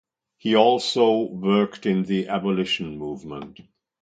He also worked in the abolition movement.